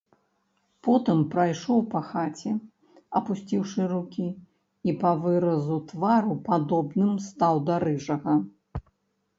Потым прайшоў па хаце, апусціўшы рукі, і па выразу твару падобным стаў да рыжага.